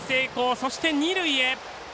そして二塁へ！